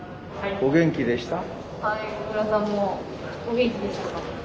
お元気でしたか？